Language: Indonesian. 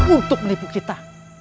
untuk menipu kita